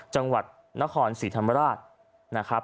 จังหวัดนครศรีธรรมราชนะครับ